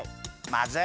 まぜる。